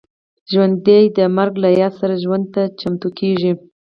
ژوندي د مرګ له یاد سره ژوند ته چمتو کېږي